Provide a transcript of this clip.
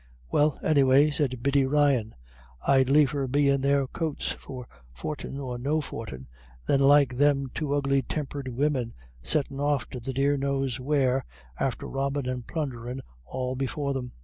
"Well, anyway," said Biddy Ryan, "I'd liefer be in their coats, for fortin or no fortin, than like them two ugly tempered women, settin' off to the dear knows where, after robbin' and plunderin' all before them."